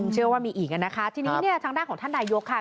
เชื่อว่ามีอีกแล้วนะคะ